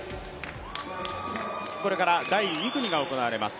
これから第２組が行われます